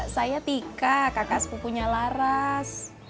saya tika kakak sepupunya laras